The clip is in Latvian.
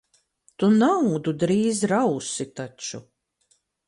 Tu naudu drīz rausi taču.